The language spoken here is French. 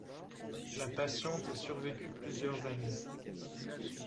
La patiente survécut plusieurs années.